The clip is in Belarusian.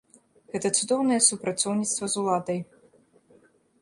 Гэта цудоўнае супрацоўніцтва з уладай.